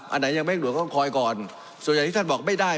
อันไหนยังไม่สะดวกต้องคอยก่อนส่วนใหญ่ที่ท่านบอกไม่ได้